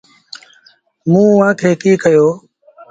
موٚنٚ اُئآݩٚ کي ڪيٚ ڪهيو۔